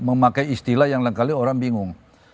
memakai istilah yang kadang orang bingung